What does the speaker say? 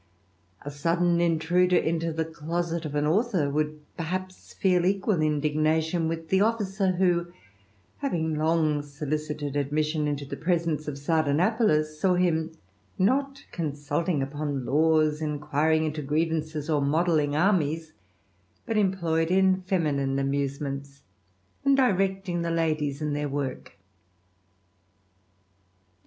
A sudden intruder into the closet uthor would perhaps feel equal indignation with the who having long solicited admission into the :e of Sardanapalus, saw him not consulting upon iquiring into grievances, or modelling armies, but ed in feminine amusements, and directing the ladies work.